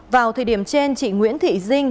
vào thời điểm trên chị nguyễn thị dinh